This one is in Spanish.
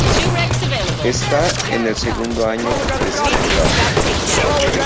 Está en el segundo año de secundaria.